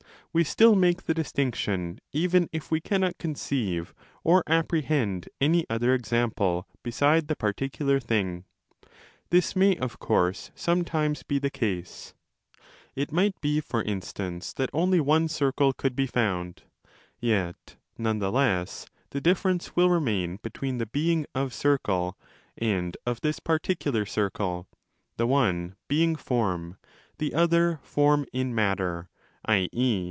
We still make the distinction even if we cannot conceive or apprehend any other example beside the particular thing. This may, of course, sometimes be the case: it might be, for instance, that only one circle could be found; yet none the less the difference will remain between the being of circle and of this particular circle, the one being form, the other form in matter, loi,e.